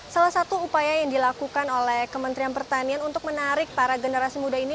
salah satu upaya yang dilakukan oleh kementerian pertanian untuk menarik para generasi muda ini